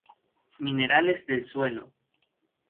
Minerales del suelo